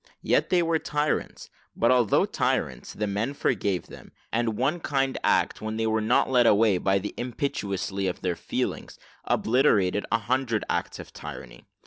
Yet they were tyrants; but although tyrants, the men forgave them, and one kind act, when they were not led away by the impetuosity of their feelings, obliterated a hundred acts of tyranny.